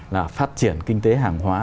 là phát triển kinh tế hàng hóa